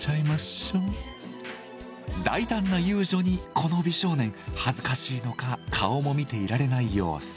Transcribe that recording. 大胆な遊女にこの美少年恥ずかしいのか顔も見ていられない様子。